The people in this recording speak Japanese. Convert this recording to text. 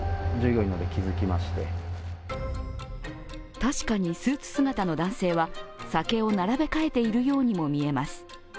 確かにスーツ姿の男性は、酒を並べ替えているようにも見えます。